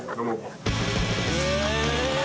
え？